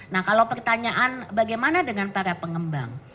nah kalau pertanyaan bagaimana dengan para pengembang